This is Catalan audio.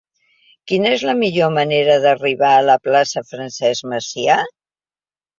Quina és la millor manera d'arribar a la plaça de Francesc Macià?